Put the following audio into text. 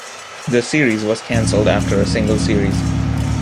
The series was cancelled after a single series.